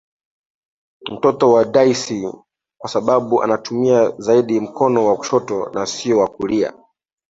Mtoto wa Daisy kwasababu anatumia zaidi mkono wa kushoto na sio wa kulia